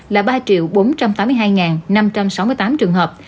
là ba bốn trăm tám mươi hai năm trăm sáu mươi tám trường hợp